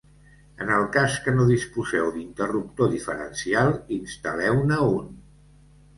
En el cas que no disposeu d'interruptor diferencial, instal·leu-ne un.